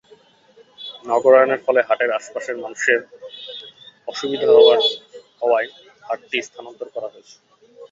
নগরায়ণের ফলে হাটের আশপাশের মানুষের অসুবিধা হওয়ায় হাটটি স্থানান্তর করা হয়েছে।